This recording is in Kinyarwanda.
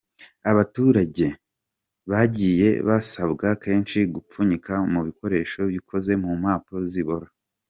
Abaturage bagiye basabwa kenshi gupfunyika mu bikoresho bikoze mumpapuro zibora.